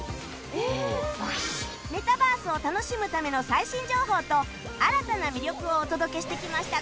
メタバースを楽しむための最新情報と新たな魅力をお届けしてきましたが